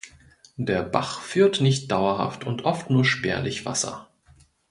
Der Bach führt nicht dauerhaft und oft nur spärlich Wasser.